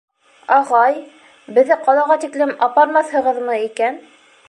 — Аға-ай, беҙҙе ҡалаға тиклем апармаҫһығыҙмы икән?